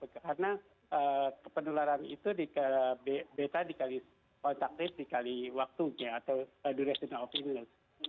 karena pendularan itu beta dikali kontak rate dikali waktunya atau duration of illness